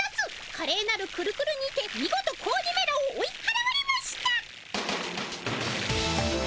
かれいなるくるくるにてみごと子鬼めらを追いはらわれました。